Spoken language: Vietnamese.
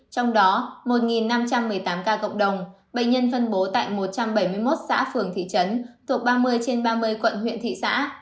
trong đó một năm trăm một mươi tám ca cộng đồng bệnh nhân phân bố tại một trăm bảy mươi một xã phường thị trấn thuộc ba mươi trên ba mươi quận huyện thị xã